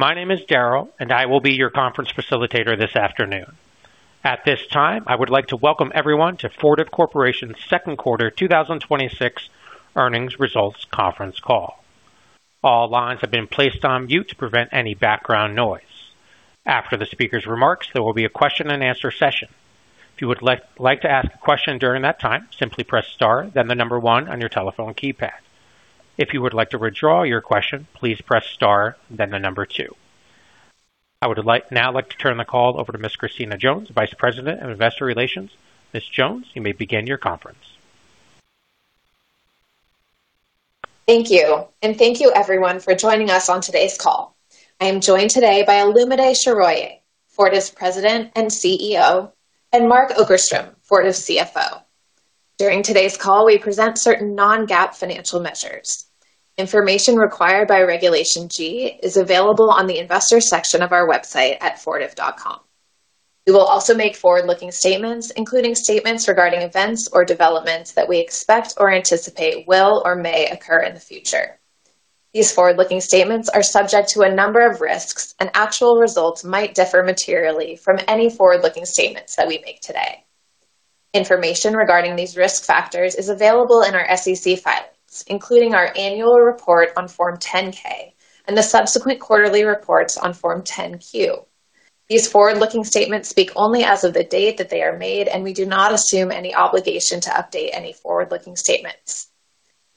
My name is Daryl, and I will be your conference facilitator this afternoon. At this time, I would like to welcome everyone to Fortive Corporation's Second Quarter 2026 Earnings Results Conference Call. All lines have been placed on mute to prevent any background noise. After the speaker's remarks, there will be a question-and-answer session. If you would like to ask a question during that time, simply press star then the number one on your telephone keypad. If you would like to withdraw your question, please press star then the number two. I would now like to turn the call over to Ms. Christina Jones, Vice President of Investor Relations. Ms. Jones, you may begin your conference. Thank you, and thank you everyone for joining us on today's call. I am joined today by Olumide Soroye, Fortive's President and CEO, Mark Okerstrom, Fortive's CFO. During today's call, we present certain non-GAAP financial measures. Information required by Regulation G is available on the investors section of our website at fortive.com. We will also make forward-looking statements, including statements regarding events or developments that we expect or anticipate will or may occur in the future. These forward-looking statements are subject to a number of risks, actual results might differ materially from any forward-looking statements that we make today. Information regarding these risk factors is available in our SEC filings, including our annual report on Form 10-K and the subsequent quarterly reports on Form 10-Q. These forward-looking statements speak only as of the date that they are made, we do not assume any obligation to update any forward-looking statements.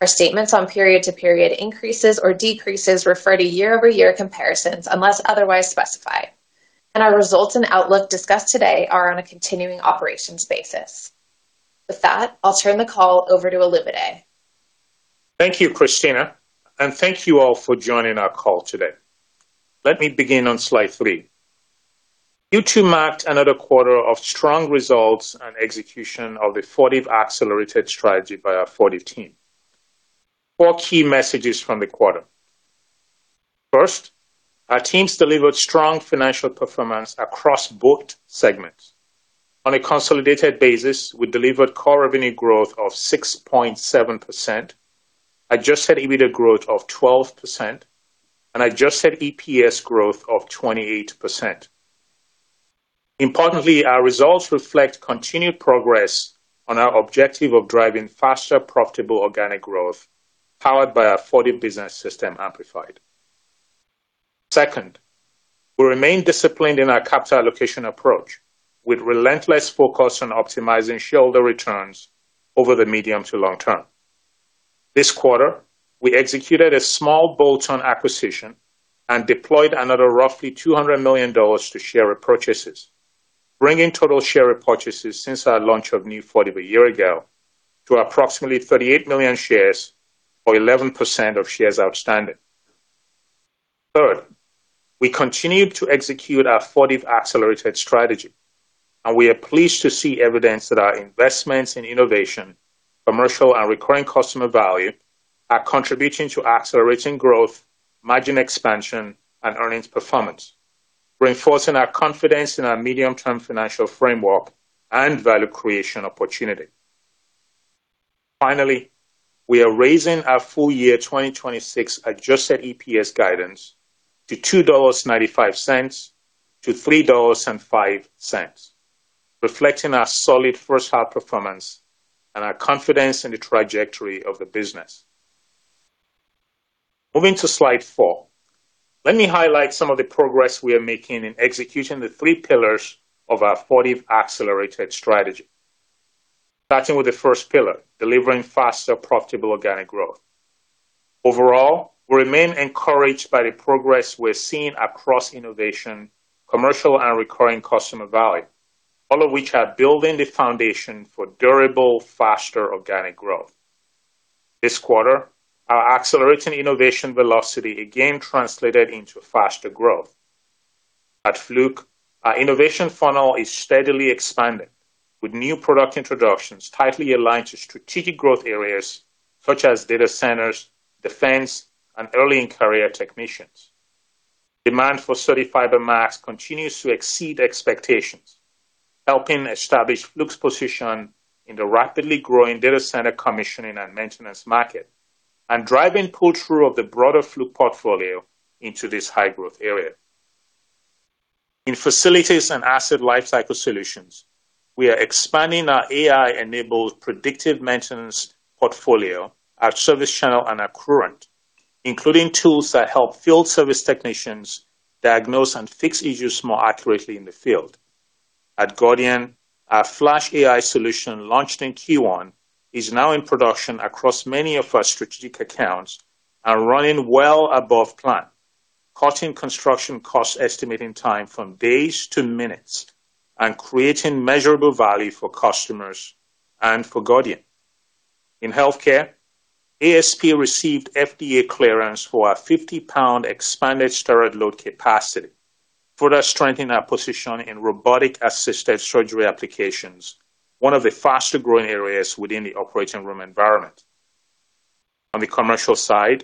Our statements on period-to-period increases or decreases refer to year-over-year comparisons unless otherwise specified. Our results and outlook discussed today are on a continuing operations basis. With that, I'll turn the call over to Olumide. Thank you, Christina, and thank you all for joining our call today. Let me begin on slide three. Q2 marked another quarter of strong results and execution of the Fortive Accelerated strategy by our Fortive team. Four key messages from the quarter. First, our teams delivered strong financial performance across both segments. On a consolidated basis, we delivered core revenue growth of 6.7%, adjusted EBITDA growth of 12%, and adjusted EPS growth of 28%. Importantly, our results reflect continued progress on our objective of driving faster profitable organic growth powered by our Fortive Business System Amplified. Second, we remain disciplined in our capital allocation approach with relentless focus on optimizing shareholder returns over the medium to long term. This quarter, we executed a small bolt-on acquisition and deployed another roughly $200 million to share repurchases, bringing total share repurchases since our launch of New Fortive a year ago to approximately 38 million shares or 11% of shares outstanding. Third, we continued to execute our Fortive Accelerated strategy, we are pleased to see evidence that our investments in innovation, commercial, and recurring customer value are contributing to accelerating growth, margin expansion, and earnings performance, reinforcing our confidence in our medium-term financial framework and value creation opportunity. Finally, we are raising our full-year 2026 adjusted EPS guidance to $2.95-$3.05, reflecting our solid first-half performance and our confidence in the trajectory of the business. Moving to slide four. Let me highlight some of the progress we are making in executing the three pillars of our Fortive Accelerated strategy. Starting with the first pillar, delivering faster profitable organic growth. Overall, we remain encouraged by the progress we're seeing across innovation, commercial, and recurring customer value, all of which are building the foundation for durable, faster organic growth. This quarter, our accelerating innovation velocity again translated into faster growth. At Fluke, our innovation funnel is steadily expanding with new product introductions tightly aligned to strategic growth areas such as data centers, defense, and early-in-career technicians. Demand for CertiFiber Max continues to exceed expectations, helping establish Fluke's position in the rapidly growing data center commissioning and maintenance market and driving pull-through of the broader Fluke portfolio into this high-growth area. In Facilities and Asset Lifecycle Solutions, we are expanding our AI-enabled predictive maintenance portfolio, our ServiceChannel, and Accruent, including tools that help field service technicians diagnose and fix issues more accurately in the field. At Gordian, our Flash AI solution, launched in Q1, is now in production across many of our strategic accounts and running well above plan, cutting construction cost estimating time from days to minutes and creating measurable value for customers and for Gordian. In healthcare, ASP received FDA clearance for our 50 lbs expanded STERRAD load capacity, further strengthening our position in robotic-assisted surgery applications, one of the faster-growing areas within the operating room environment. On the commercial side,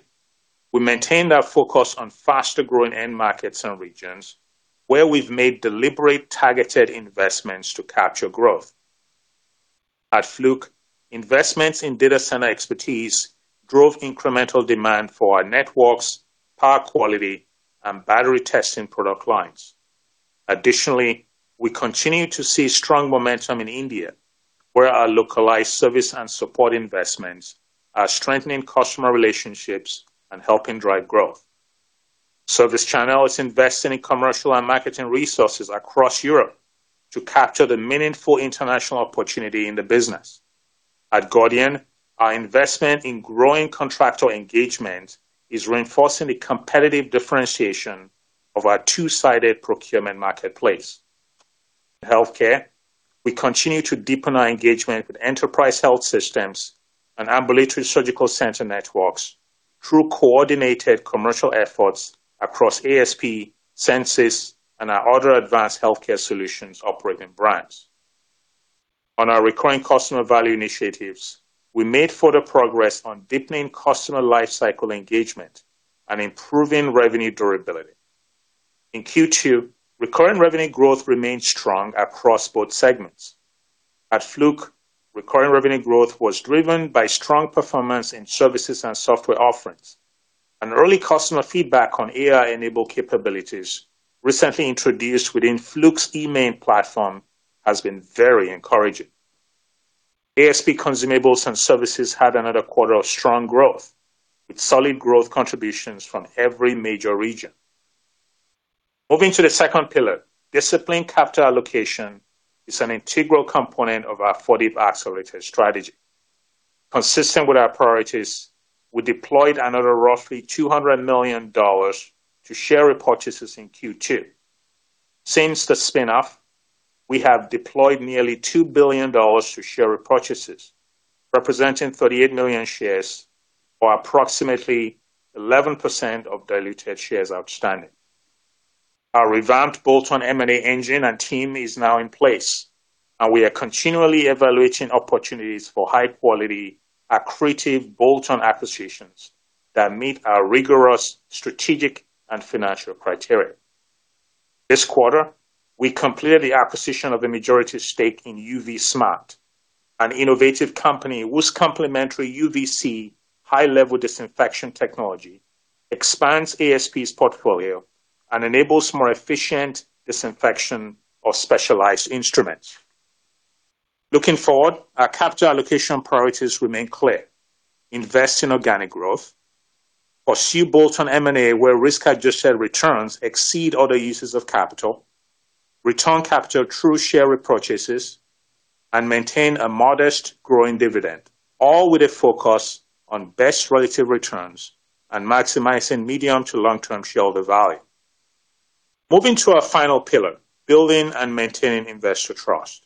we maintained our focus on faster-growing end markets and regions where we've made deliberate targeted investments to capture growth. At Fluke, investments in data center expertise drove incremental demand for our networks, power quality, and battery testing product lines. Additionally, we continue to see strong momentum in India, where our localized service and support investments are strengthening customer relationships and helping drive growth. ServiceChannel is investing in commercial and marketing resources across Europe to capture the meaningful international opportunity in the business. At Gordian, our investment in growing contractor engagement is reinforcing the competitive differentiation of our two-sided procurement marketplace. In healthcare, we continue to deepen our engagement with enterprise health systems and ambulatory surgical center networks through coordinated commercial efforts across ASP, Censis, and our other Advanced Healthcare Solutions operating brands. On our recurring customer value initiatives, we made further progress on deepening customer life cycle engagement and improving revenue durability. In Q2, recurring revenue growth remained strong across both segments. At Fluke, recurring revenue growth was driven by strong performance in services and software offerings. Early customer feedback on AI-enabled capabilities recently introduced within Fluke's eMaint platform has been very encouraging. ASP consumables and services had another quarter of strong growth, with solid growth contributions from every major region. Moving to the second pillar, disciplined capital allocation is an integral component of our Fortive Accelerated strategy. Consistent with our priorities, we deployed another roughly $200 million to share repurchases in Q2. Since the spin-off, we have deployed nearly $2 billion to share repurchases, representing 38 million shares or approximately 11% of diluted shares outstanding. Our revamped bolt-on M&A engine and team is now in place, we are continually evaluating opportunities for high-quality, accretive bolt-on acquisitions that meet our rigorous strategic and financial criteria. This quarter, we completed the acquisition of a majority stake in UV Smart, an innovative company whose complementary UVC high-level disinfection technology expands ASP's portfolio and enables more efficient disinfection of specialized instruments. Looking forward, our capital allocation priorities remain clear: invest in organic growth, pursue bolt-on M&A where risk-adjusted returns exceed other uses of capital, return capital through share repurchases, and maintain a modest growing dividend, all with a focus on best relative returns and maximizing medium to long-term shareholder value. Moving to our final pillar, building and maintaining investor trust.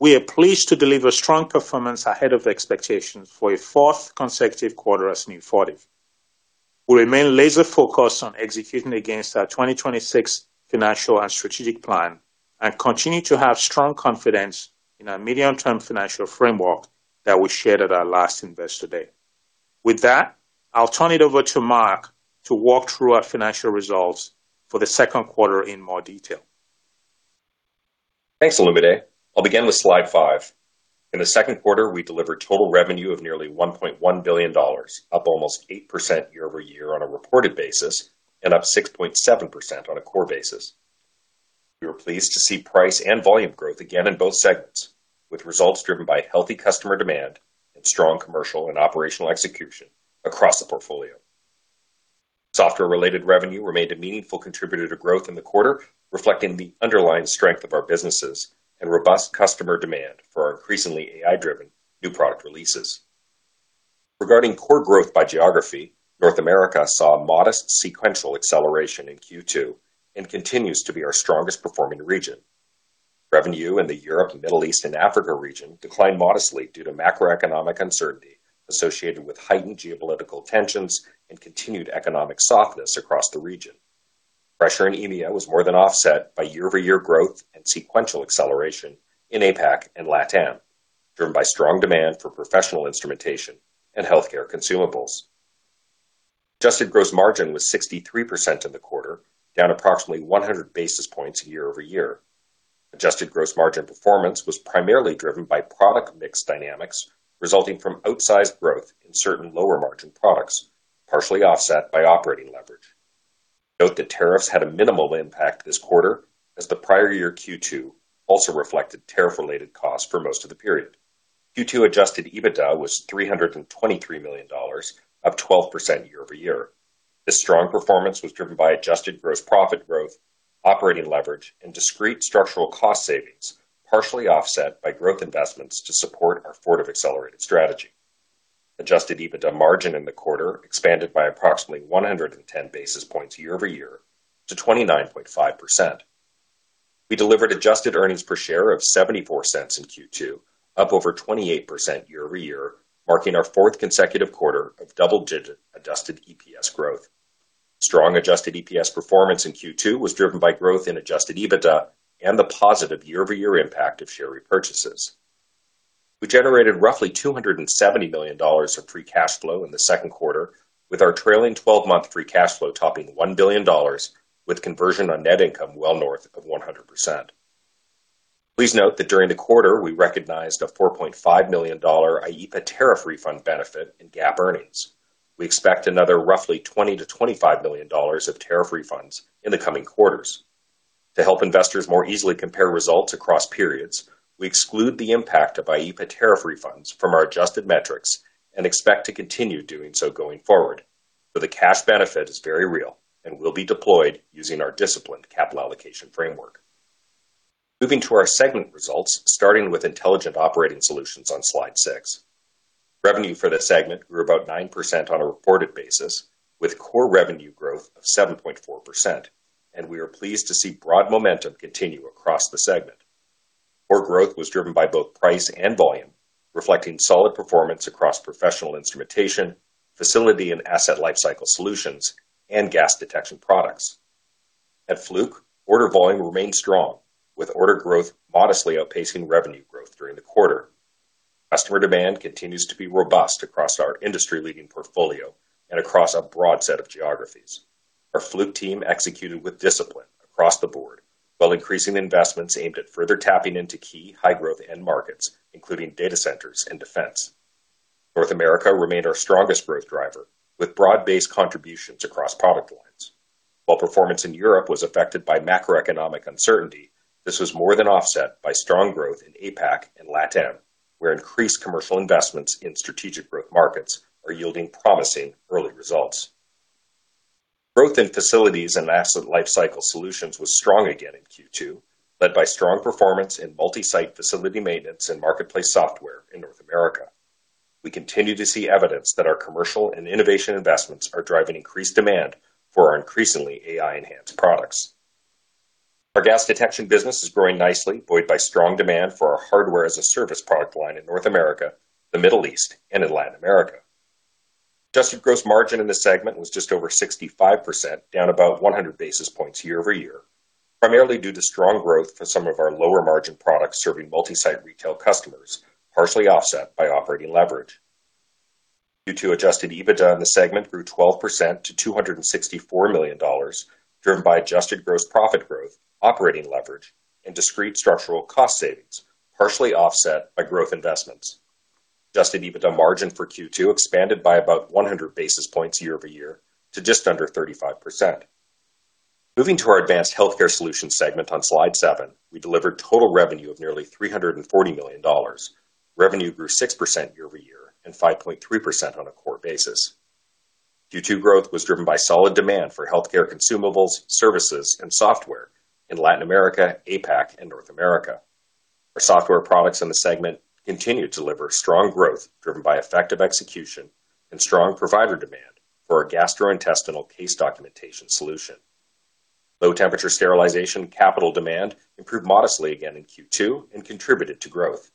We are pleased to deliver strong performance ahead of expectations for a fourth consecutive quarter as New Fortive. We remain laser-focused on executing against our 2026 financial and strategic plan and continue to have strong confidence in our medium-term financial framework that we shared at our last Investor Day. With that, I'll turn it over to Mark to walk through our financial results for the second quarter in more detail. Thanks, Olumide. I'll begin with slide five. In the second quarter, we delivered total revenue of nearly $1.1 billion, up almost 8% year-over-year on a reported basis, and up 6.7% on a core basis. We were pleased to see price and volume growth again in both segments, with results driven by healthy customer demand and strong commercial and operational execution across the portfolio. Software-related revenue remained a meaningful contributor to growth in the quarter, reflecting the underlying strength of our businesses and robust customer demand for our increasingly AI-driven new product releases. Regarding core growth by geography, North America saw a modest sequential acceleration in Q2 and continues to be our strongest performing region. Revenue in the Europe, Middle East, and Africa region declined modestly due to macroeconomic uncertainty associated with heightened geopolitical tensions and continued economic softness across the region. Pressure in EMEA was more than offset by year-over-year growth and sequential acceleration in APAC and LATAM, driven by strong demand for professional instrumentation and healthcare consumables. Adjusted gross margin was 63% in the quarter, down approximately 100 basis points year-over-year. Adjusted gross margin performance was primarily driven by product mix dynamics resulting from outsized growth in certain lower-margin products, partially offset by operating leverage. Note that tariffs had a minimal impact this quarter as the prior year Q2 also reflected tariff-related costs for most of the period. Q2 adjusted EBITDA was $323 million, up 12% year-over-year. This strong performance was driven by adjusted gross profit growth, operating leverage, and discrete structural cost savings, partially offset by growth investments to support our Fortive Accelerated strategy. Adjusted EBITDA margin in the quarter expanded by approximately 110 basis points year-over-year to 29.5%. We delivered adjusted earnings per share of $0.74 in Q2, up over 28% year-over-year, marking our fourth consecutive quarter of double-digit adjusted EPS growth. Strong adjusted EPS performance in Q2 was driven by growth in adjusted EBITDA and the positive year-over-year impact of share repurchases. We generated roughly $270 million of free cash flow in the second quarter, with our trailing 12-month free cash flow topping $1 billion with conversion on net income well north of 100%. Please note that during the quarter, we recognized a $4.5 million IEEPA tariff refund benefit in GAAP earnings. We expect another roughly $20 million-$25 million of tariff refunds in the coming quarters. To help investors more easily compare results across periods, we exclude the impact of IEEPA tariff refunds from our adjusted metrics and expect to continue doing so going forward. The cash benefit is very real and will be deployed using our disciplined capital allocation framework. Moving to our segment results, starting with Intelligent Operating Solutions on slide six. Revenue for the segment grew about 9% on a reported basis, with core revenue growth of 7.4%, and we are pleased to see broad momentum continue across the segment. Core growth was driven by both price and volume, reflecting solid performance across professional instrumentation, Facilities and Asset Lifecycle solutions, and gas detection products. At Fluke, order volume remained strong, with order growth modestly outpacing revenue growth during the quarter. Customer demand continues to be robust across our industry-leading portfolio and across a broad set of geographies. Our Fluke team executed with discipline across the board while increasing investments aimed at further tapping into key high-growth end markets, including data centers and defense. North America remained our strongest growth driver, with broad-based contributions across product lines. While performance in Europe was affected by macroeconomic uncertainty, this was more than offset by strong growth in APAC and LATAM, where increased commercial investments in strategic growth markets are yielding promising early results. Growth in Facilities and Asset Lifecycle solutions was strong again in Q2, led by strong performance in multi-site facility maintenance and marketplace software in North America. We continue to see evidence that our commercial and innovation investments are driving increased demand for our increasingly AI-enhanced products. Our gas detection business is growing nicely, buoyed by strong demand for our hardware-as-a-service product line in North America, the Middle East, and in Latin America. Adjusted gross margin in the segment was just over 65%, down about 100 basis points year-over-year, primarily due to strong growth for some of our lower-margin products serving multi-site retail customers, partially offset by operating leverage. Q2 adjusted EBITDA in the segment grew 12% to $264 million, driven by adjusted gross profit growth, operating leverage, and discrete structural cost savings, partially offset by growth investments. Adjusted EBITDA margin for Q2 expanded by about 100 basis points year-over-year to just under 35%. Moving to our Advanced Healthcare Solutions segment on slide seven, we delivered total revenue of nearly $340 million. Revenue grew 6% year-over-year and 5.3% on a core basis. Q2 growth was driven by solid demand for healthcare consumables, services, and software in Latin America, APAC, and North America. Our software products in the segment continued to deliver strong growth, driven by effective execution and strong provider demand for our gastrointestinal case documentation solution. Low-temperature sterilization capital demand improved modestly again in Q2 and contributed to growth.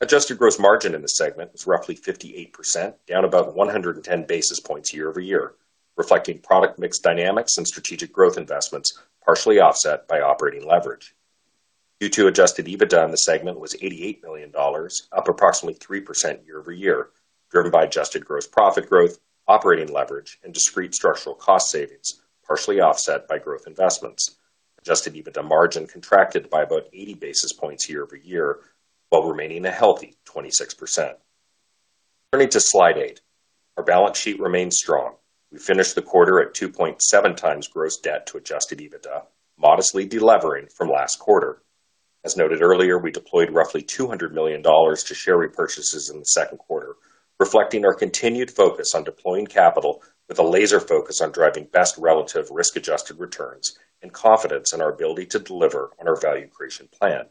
Adjusted gross margin in the segment was roughly 58%, down about 110 basis points year-over-year, reflecting product mix dynamics and strategic growth investments, partially offset by operating leverage. Q2 adjusted EBITDA in the segment was $88 million, up approximately 3% year-over-year, driven by adjusted gross profit growth, operating leverage, and discrete structural cost savings, partially offset by growth investments. Adjusted EBITDA margin contracted by about 80 basis points year-over-year, while remaining a healthy 26%. Turning to slide eight. Our balance sheet remains strong. We finished the quarter at 2.7x gross debt to adjusted EBITDA, modestly delevering from last quarter. As noted earlier, we deployed roughly $200 million to share repurchases in the second quarter, reflecting our continued focus on deploying capital with a laser focus on driving best relative risk-adjusted returns and confidence in our ability to deliver on our value creation plan.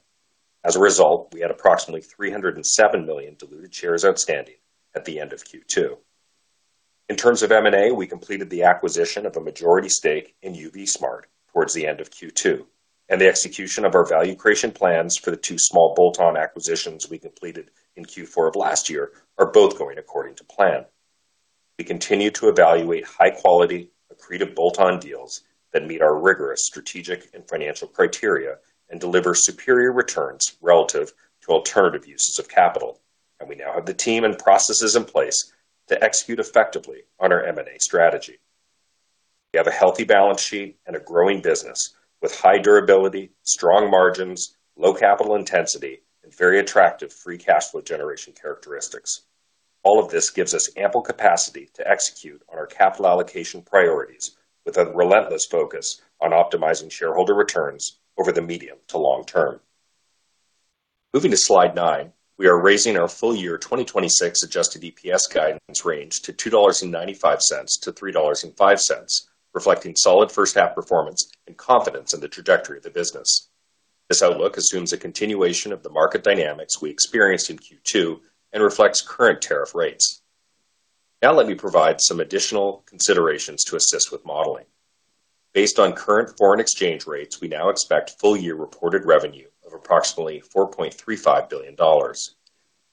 As a result, we had approximately 307 million diluted shares outstanding at the end of Q2. In terms of M&A, we completed the acquisition of a majority stake in UV Smart towards the end of Q2, and the execution of our value creation plans for the two small bolt-on acquisitions we completed in Q4 of last year are both going according to plan. We continue to evaluate high-quality, accretive bolt-on deals that meet our rigorous strategic and financial criteria and deliver superior returns relative to alternative uses of capital. We now have the team and processes in place to execute effectively on our M&A strategy. We have a healthy balance sheet and a growing business with high durability, strong margins, low capital intensity, and very attractive free cash flow generation characteristics. All of this gives us ample capacity to execute on our capital allocation priorities with a relentless focus on optimizing shareholder returns over the medium to long term. Moving to slide nine. We are raising our full year 2026 adjusted EPS guidance range to $2.95-$3.05, reflecting solid first half performance and confidence in the trajectory of the business. This outlook assumes a continuation of the market dynamics we experienced in Q2 and reflects current tariff rates. Let me provide some additional considerations to assist with modeling. Based on current foreign exchange rates, we now expect full-year reported revenue of approximately $4.35 billion.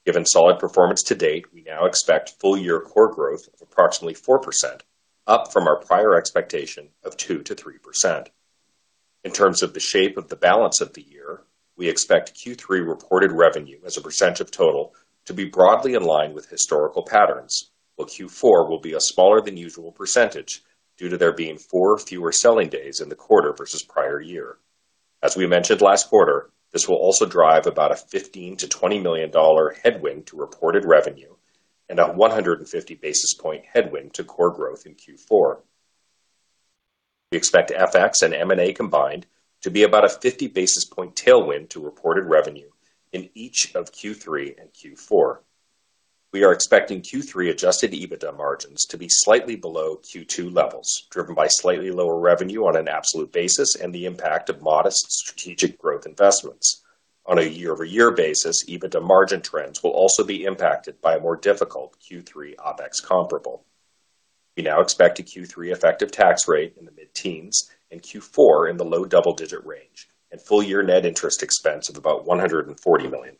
Given solid performance to date, we now expect full-year core growth of approximately 4%, up from our prior expectation of 2%-3%. In terms of the shape of the balance of the year, we expect Q3 reported revenue as a percent of total to be broadly in line with historical patterns, while Q4 will be a smaller than usual percentage due to there being four fewer selling days in the quarter versus prior year. As we mentioned last quarter, this will also drive about a $15 million-$20 million headwind to reported revenue and a 150 basis point headwind to core growth in Q4. We expect FX and M&A combined to be about a 50 basis point tailwind to reported revenue in each of Q3 and Q4. We are expecting Q3 adjusted EBITDA margins to be slightly below Q2 levels, driven by slightly lower revenue on an absolute basis and the impact of modest strategic growth investments. On a year-over-year basis, EBITDA margin trends will also be impacted by a more difficult Q3 OpEx comparable. We now expect a Q3 effective tax rate in the mid-teens and Q4 in the low double-digit range, and full-year net interest expense of about $140 million.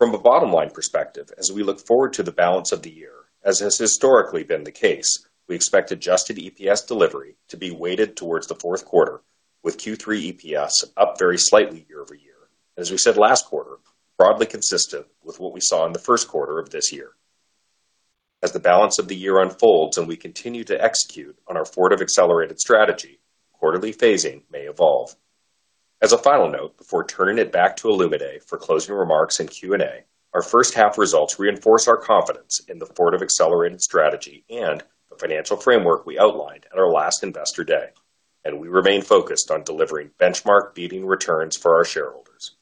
From a bottom-line perspective, as we look forward to the balance of the year, as has historically been the case, we expect adjusted EPS delivery to be weighted towards the fourth quarter, with Q3 EPS up very slightly year-over-year, as we said last quarter, broadly consistent with what we saw in the first quarter of this year. As the balance of the year unfolds, we continue to execute on our Fortive Accelerated strategy, quarterly phasing may evolve. As a final note, before turning it back to Olumide for closing remarks and Q&A, our first half results reinforce our confidence in the Fortive Accelerated strategy and the financial framework we outlined at our last Investor Day. We remain focused on delivering benchmark-beating returns for our shareholders.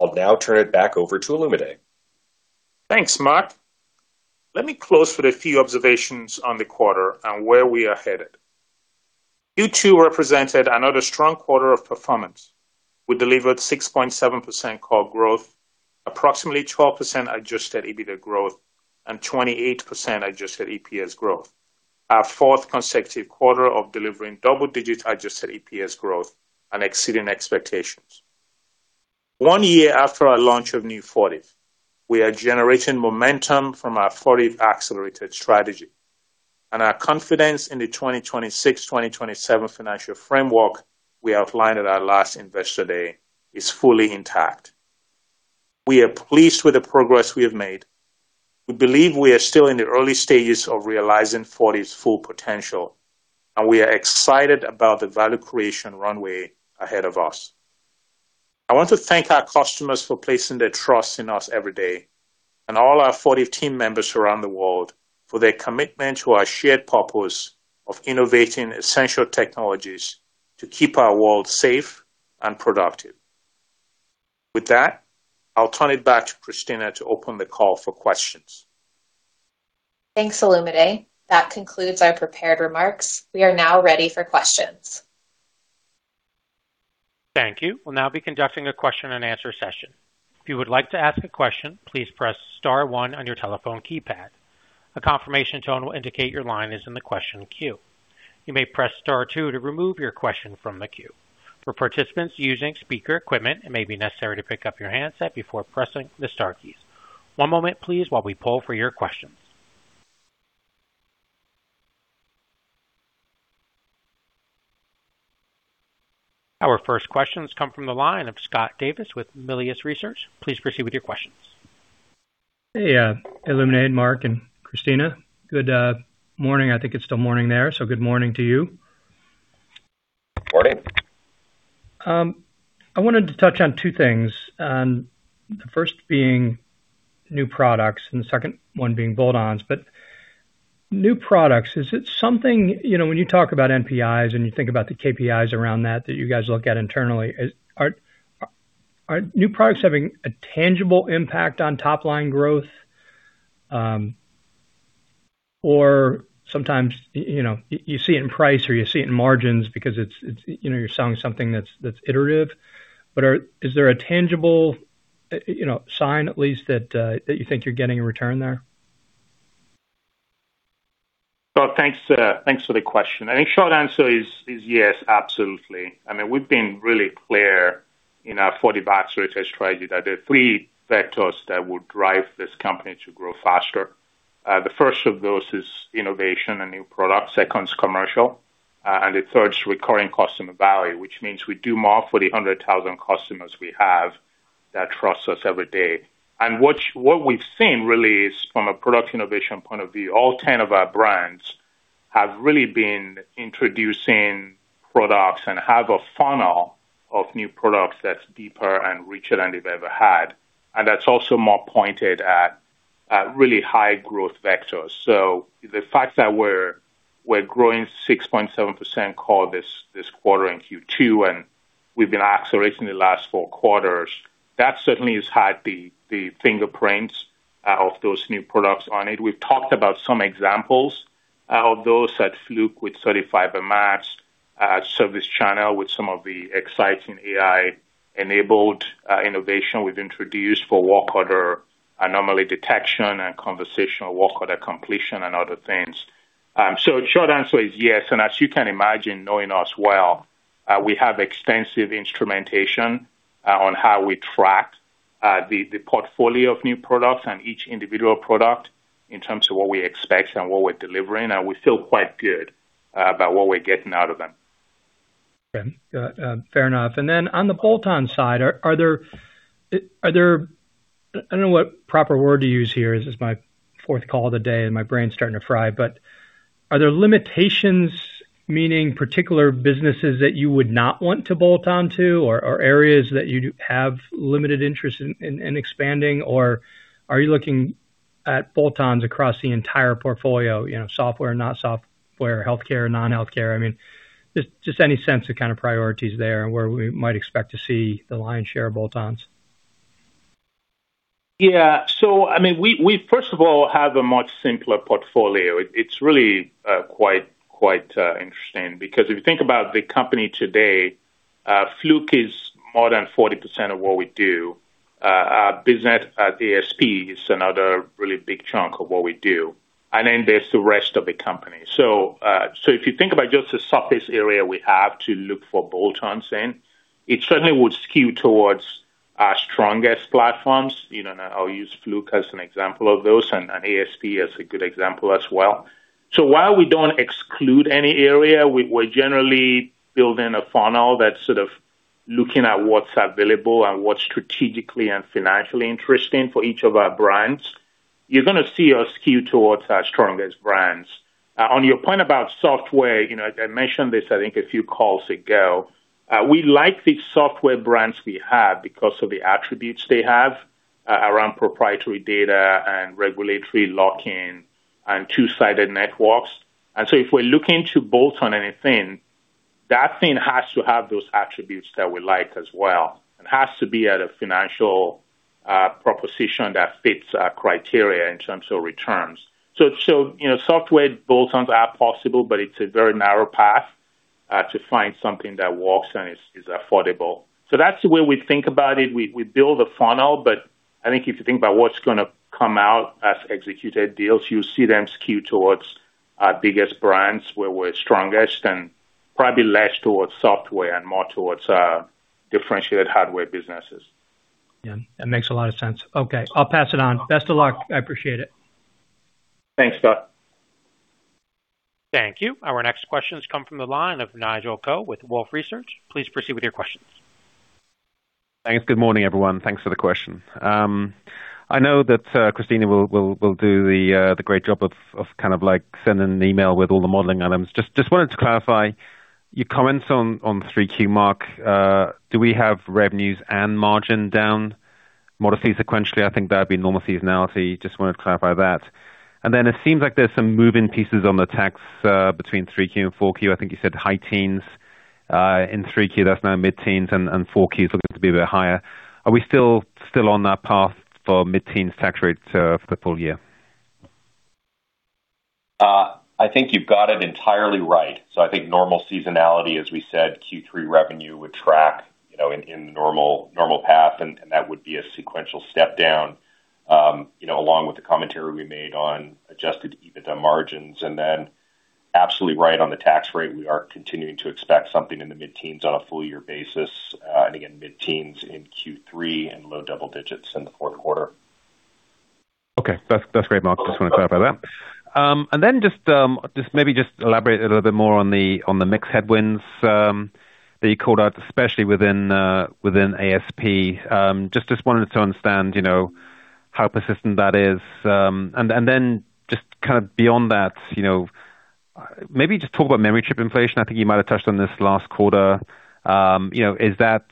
I'll now turn it back over to Olumide. Thanks, Mark. Let me close with a few observations on the quarter and where we are headed. Q2 represented another strong quarter of performance. We delivered 6.7% core growth, approximately 12% adjusted EBITDA growth, and 28% adjusted EPS growth, our fourth consecutive quarter of delivering double-digit adjusted EPS growth and exceeding expectations. One year after our launch of New Fortive, we are generating momentum from our Fortive Accelerated strategy, and our confidence in the 2026-2027 financial framework we outlined at our last Investor Day is fully intact. We are pleased with the progress we have made. We believe we are still in the early stages of realizing Fortive's full potential. We are excited about the value creation runway ahead of us. I want to thank our customers for placing their trust in us every day, and all our Fortive team members around the world for their commitment to our shared purpose of innovating essential technologies to keep our world safe and productive. With that, I'll turn it back to Christina to open the call for questions. Thanks, Olumide. That concludes our prepared remarks. We are now ready for questions. Thank you. We'll now be conducting a question and answer session. If you would like to ask a question, please press star one on your telephone keypad. A confirmation tone will indicate your line is in the question queue. You may press star two to remove your question from the queue. For participants using speaker equipment, it may be necessary to pick up your handset before pressing the star keys. One moment, please, while we poll for your questions. Our first questions come from the line of Scott Davis with Melius Research. Please proceed with your questions. Hey, Olumide, Mark, and Christina. Good morning. I think it's still morning there, so good morning to you. Morning. I wanted to touch on two things. The first being new products and the second one being bolt-ons. New products, is it something, when you talk about NPIs and you think about the KPIs around that that you guys look at internally, are new products having a tangible impact on top-line growth? Sometimes you see it in price, or you see it in margins because you're selling something that's iterative. Is there a tangible sign at least that you think you're getting a return there? Scott, thanks for the question. I think short answer is yes, absolutely. We've been really clear in our Fortive Accelerated Strategy that there are three vectors that would drive this company to grow faster. The first of those is innovation and new products, second's commercial, and the third's recurring customer value, which means we do more for the 100,000 customers we have that trust us every day. And what we've seen, really, is from a product innovation point of view, all 10 of our brands have really been introducing products and have a funnel of new products that's deeper and richer than they've ever had. And that's also more pointed at really high growth vectors. The fact that we're growing 6.7% core this quarter in Q2, and we've been accelerating the last four quarters, that certainly has had the fingerprints of those new products on it. We've talked about some examples of those at Fluke with CertiFiber Max, at ServiceChannel with some of the exciting AI-enabled innovation we've introduced for work order anomaly detection and conversational work order completion and other things. So short answer is yes. And as you can imagine knowing us well, we have extensive instrumentation on how we track the portfolio of new products and each individual product in terms of what we expect and what we're delivering, and we feel quite good about what we're getting out of them. Okay. Fair enough. And then on the bolt-on side, are there-- I don't know what proper word to use here. This is my fourth call of the day, and my brain's starting to fry. Are there limitations, meaning particular businesses that you would not want to bolt on to? Areas that you have limited interest in expanding? Are you looking at bolt-ons across the entire portfolio, software, not software, healthcare, non-healthcare? Just any sense of kind of priorities there and where we might expect to see the lion's share of bolt-ons. Yeah. First of all, we have a much simpler portfolio. It's really quite interesting, because if you think about the company today, Fluke is more than 40% of what we do. BizNet, ASP is another really big chunk of what we do. And then there's the rest of the company. If you think about just the surface area we have to look for bolt-ons in, it certainly would skew towards our strongest platforms. I'll use Fluke as an example of those, and ASP as a good example as well. While we don't exclude any area, we're generally building a funnel that's sort of looking at what's available and what's strategically and financially interesting for each of our brands. You're going to see us skew towards our strongest brands. On your point about software, I mentioned this, I think, a few calls ago. We like the software brands we have because of the attributes they have around proprietary data and regulatory lock-in and two-sided networks. If we're looking to bolt on anything, that thing has to have those attributes that we like as well, and has to be at a financial proposition that fits our criteria in terms of returns. Software bolt-ons are possible, it's a very narrow path to find something that works and is affordable. That's the way we think about it. We build a funnel, I think if you think about what's going to come out as executed deals, you'll see them skew towards our biggest brands where we're strongest, and probably less towards software and more towards differentiated hardware businesses. Yeah, that makes a lot of sense. Okay, I'll pass it on. Best of luck. I appreciate it. Thanks, Scott. Thank you. Our next questions come from the line of Nigel Coe with Wolfe Research. Please proceed with your questions. Thanks. Good morning, everyone. Thanks for the question. I know that Christina will do the great job of kind of sending an email with all the modeling items. Just wanted to clarify your comments on 3Q, Mark. Do we have revenues and margin down modestly sequentially? I think that'd be normal seasonality. Just wanted to clarify that. It seems like there's some moving pieces on the tax between 3Q and 4Q. I think you said high teens in 3Q. That's now mid-teens, and 4Q is looking to be a bit higher. Are we still on that path for mid-teens tax rates for the full year? I think you've got it entirely right. I think normal seasonality, as we said, Q3 revenue would track in the normal path, and that would be a sequential step down. Along with the commentary we made on adjusted EBITDA margins. Absolutely right on the tax rate. We are continuing to expect something in the mid-teens on a full year basis. Mid-teens in Q3 and low double digits in the fourth quarter. Okay. That's great, Mark. Just want to clarify that. Maybe just elaborate a little bit more on the mix headwinds that you called out, especially within ASP. Just wanted to understand how persistent that is. Just kind of beyond that, maybe just talk about memory chip inflation. I think you might have touched on this last quarter. Is that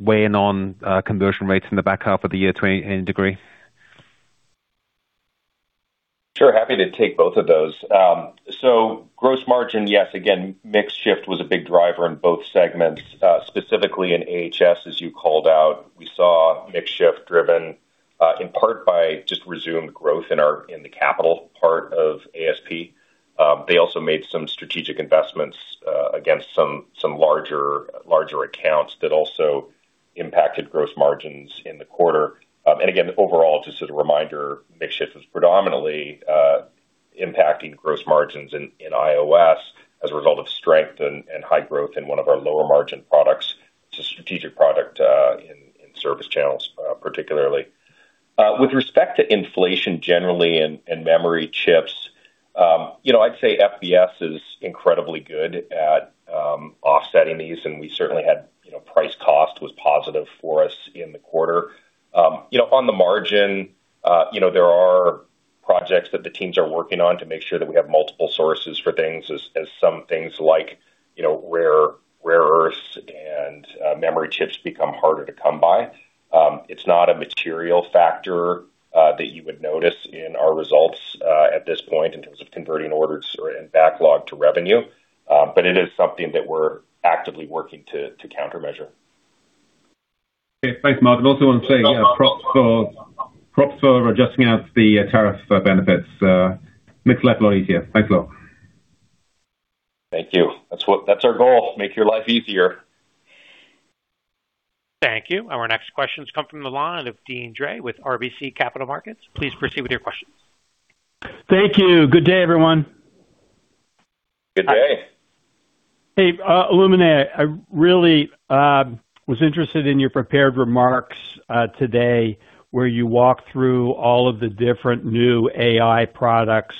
weighing on conversion rates in the back half of the year to any degree? Sure. Happy to take both of those. Gross margin, yes, again, mix shift was a big driver in both segments, specifically in AHS, as you called out. We saw mix shift driven in part by just resumed growth in the capital part of ASP. They also made some strategic investments against some larger accounts that also impacted gross margins in the quarter. Overall, just as a reminder, mix shift was predominantly impacting gross margins in IOS as a result of strength and high growth in one of our lower margin products. It's a strategic product in service channels, particularly. With respect to inflation generally and memory chips, I'd say FBS is incredibly good at offsetting these, and we certainly had price cost was positive for us in the quarter. On the margin, there are projects that the teams are working on to make sure that we have multiple sources for things, as some things like rare earths and memory chips become harder to come by. It's not a material factor that you would notice in our results at this point in terms of converting orders and backlog to revenue. It is something that we're actively working to countermeasure. Okay. Thanks, Mark. Also want to say props for adjusting out the tariff benefits. Makes life a lot easier. Thanks a lot. Thank you. That's our goal. Make your life easier. Thank you. Our next questions come from the line of Deane Dray with RBC Capital Markets. Please proceed with your questions. Thank you. Good day, everyone. Good day. Hey, Olumide, I really was interested in your prepared remarks today, where you walked through all of the different new AI products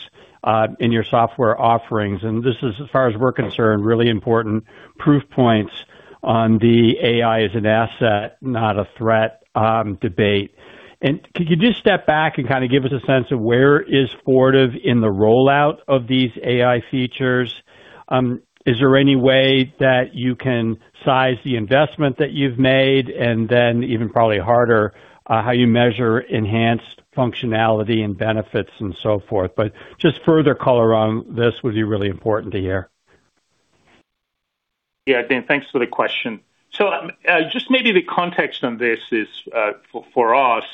in your software offerings, this is, as far as we're concerned, really important proof points on the AI as an asset, not a threat debate. Could you just step back and kind of give us a sense of where is Fortive in the rollout of these AI features? Is there any way that you can size the investment that you've made, and then even probably harder, how you measure enhanced functionality and benefits and so forth? Just further color around this would be really important to hear. Yeah, Deane, thanks for the question. Just maybe the context on this is, for us,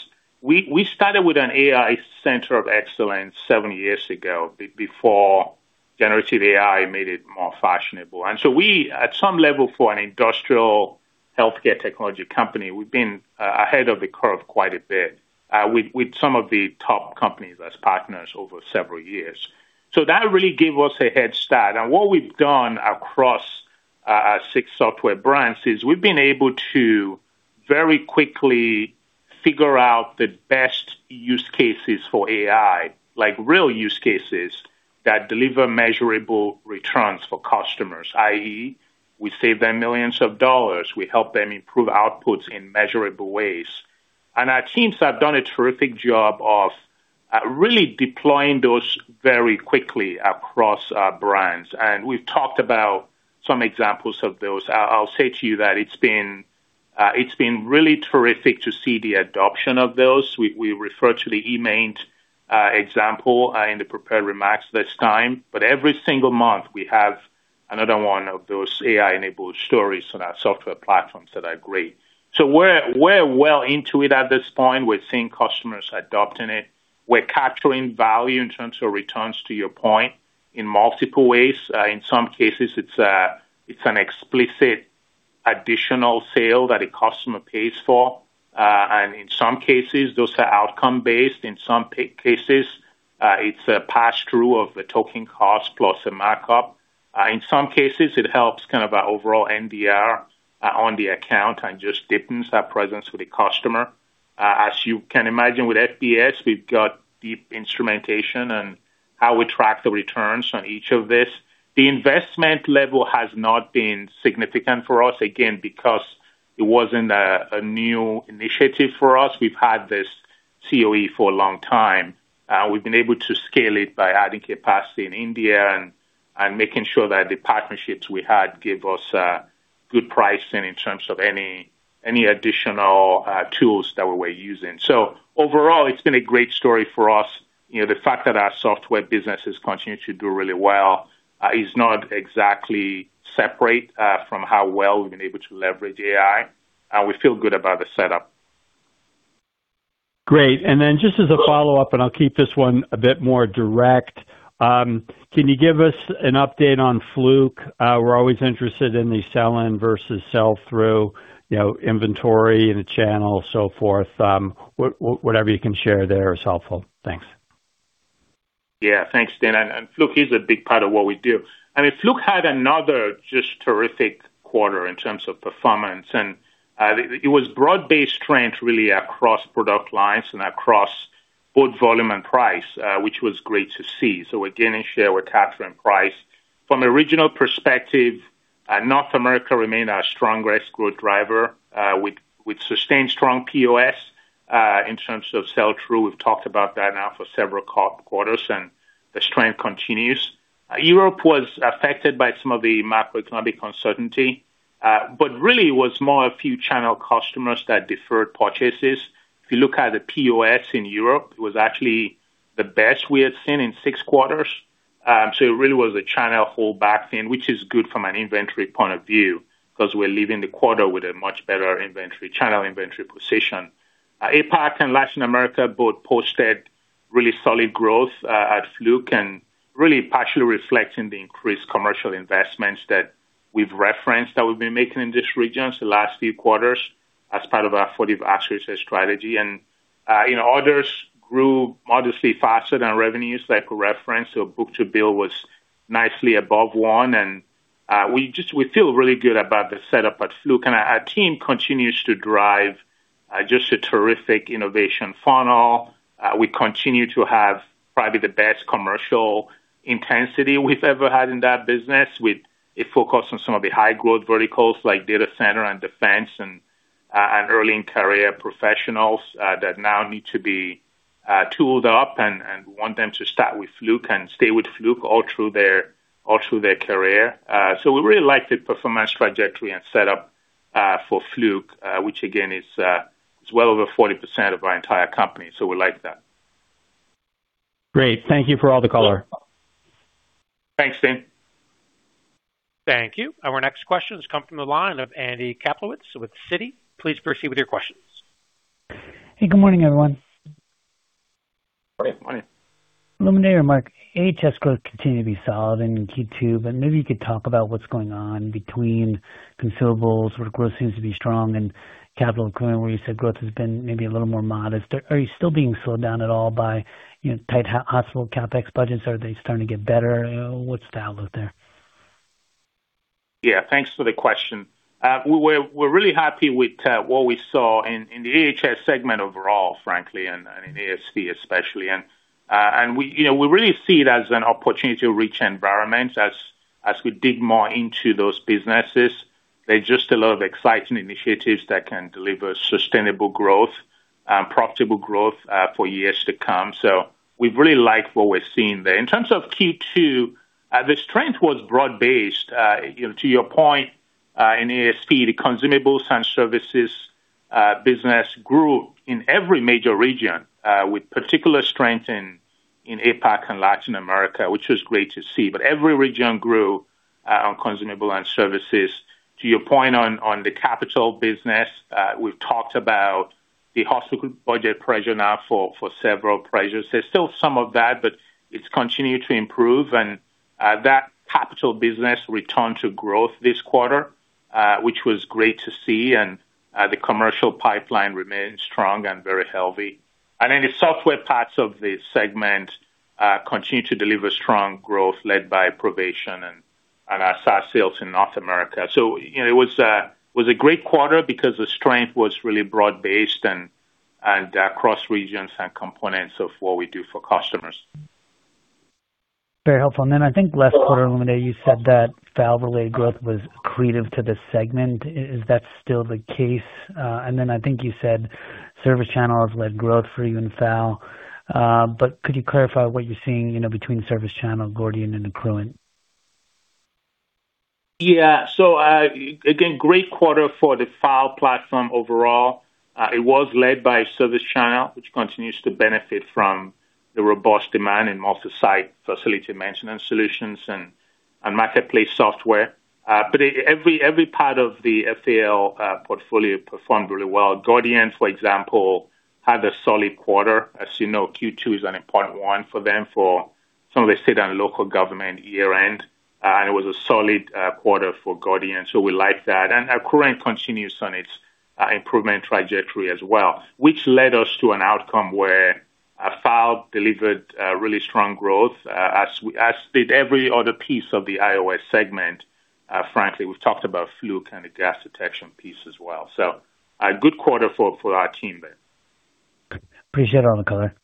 we started with an AI Center of Excellence seven years ago, before generative AI made it more fashionable. We, at some level, for an industrial healthcare technology company, we've been ahead of the curve quite a bit, with some of the top companies as partners over several years. That really gave us a head start. What we've done across our six software brands is we've been able to very quickly figure out the best use cases for AI, like real use cases that deliver measurable returns for customers, i.e., we save them millions of dollars, we help them improve outputs in measurable ways. Our teams have done a terrific job of really deploying those very quickly across our brands. We've talked about some examples of those. I'll say to you that it's been really terrific to see the adoption of those. We refer to the eMaint example in the prepared remarks this time. Every single month, we have another one of those AI-enabled stories on our software platforms that are great. We're well into it at this point. We're seeing customers adopting it. We're capturing value in terms of returns, to your point, in multiple ways. In some cases, it's an explicit additional sale that a customer pays for, and in some cases, those are outcome-based. In some cases, it's a pass-through of the token cost plus a markup. In some cases, it helps kind of our overall NDR on the account and just deepens our presence with the customer. As you can imagine with FBS, we've got deep instrumentation on how we track the returns on each of these. The investment level has not been significant for us, again, because it wasn't a new initiative for us. We've had this COE for a long time. We've been able to scale it by adding capacity in India and making sure that the partnerships we had give us good pricing in terms of any additional tools that we were using. Overall, it's been a great story for us. The fact that our software business has continued to do really well is not exactly separate from how well we've been able to leverage AI. We feel good about the setup. Great. Just as a follow-up, and I'll keep this one a bit more direct, can you give us an update on Fluke? We're always interested in the sell-in versus sell-through inventory in the channel, so forth. Whatever you can share there is helpful. Thanks. Yeah. Thanks, Deane. Fluke is a big part of what we do. Fluke had another just terrific quarter in terms of performance. It was broad-based strength really across product lines and across both volume and price, which was great to see. Again, in share, we're capturing price. From a regional perspective, North America remained our strongest growth driver, with sustained strong POS in terms of sell-through. We've talked about that now for several quarters. The strength continues. Europe was affected by some of the macroeconomic uncertainty. Really it was more a few channel customers that deferred purchases. If you look at the POS in Europe, it was actually the best we had seen in six quarters. It really was a channel pullback thing, which is good from an inventory point of view because we're leaving the quarter with a much better channel inventory position. APAC and Latin America both posted really solid growth at Fluke, really partially reflecting the increased commercial investments that we've referenced that we've been making in these regions the last few quarters as part of our Fortive strategy. Orders grew modestly faster than revenues, like we referenced. Book to bill was nicely above one, and we feel really good about the setup at Fluke. Our team continues to drive just a terrific innovation funnel. We continue to have probably the best commercial intensity we've ever had in that business, with a focus on some of the high-growth verticals like data center and defense and early-in-career professionals that now need to be tooled up and want them to start with Fluke and stay with Fluke all through their career. We really like the performance trajectory and setup for Fluke, which again, is well over 40% of our entire company. We like that. Great. Thank you for all the color. Thanks, Deane. Thank you. Our next question has come from the line of Andrew Kaplowitz with Citi. Please proceed with your questions. Hey, good morning, everyone. Good morning. Olumide or Mark, AHS growth continued to be solid in Q2. Maybe you could talk about what's going on between consumables, where growth seems to be strong, and capital equipment, where you said growth has been maybe a little more modest. Are you still being slowed down at all by tight hospital CapEx budgets? Are they starting to get better? What's the outlook there? Yeah, thanks for the question. We're really happy with what we saw in the AHS segment overall, frankly, and in ASP especially. We really see it as an opportunity to reach environments as we dig more into those businesses. There are just a lot of exciting initiatives that can deliver sustainable growth and profitable growth for years to come. We really like what we're seeing there. In terms of Q2, the strength was broad-based. To your point, in ASP, the consumables and services business grew in every major region, with particular strength in APAC and Latin America, which was great to see. Every region grew on consumable and services. To your point on the capital business, we've talked about the hospital budget pressure now for several quarters. There's still some of that, it's continued to improve. That capital business returned to growth this quarter, which was great to see. The commercial pipeline remains strong and very healthy. The software parts of the segment continue to deliver strong growth led by Provation and our SaaS sales in North America. It was a great quarter because the strength was really broad-based and across regions and components of what we do for customers. Very helpful. I think last quarter, when you said that FAL-related growth was accretive to the segment, is that still the case? I think you said ServiceChannel has led growth for you in FAL. Could you clarify what you're seeing between ServiceChannel, Gordian, and Accruent? Yeah. Again, great quarter for the FAL platform overall. It was led by ServiceChannel, which continues to benefit from the robust demand in multi-site facility maintenance solutions and marketplace software. Every part of the FAL portfolio performed really well. Gordian, for example, had a solid quarter. As you know, Q2 is an important one for them for some of the state and local government year-end. It was a solid quarter for Gordian, so we like that. Accruent continues on its improvement trajectory as well, which led us to an outcome where FAL delivered really strong growth, as did every other piece of the IOS segment, frankly. We've talked about Fluke and the gas detection piece as well. A good quarter for our team there. Appreciate all the color.